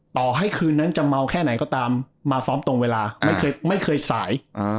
ต่อให้คืนนั้นจะเมาแค่ไหนก็ตามมาซ้อมตรงเวลาไม่เคยสาย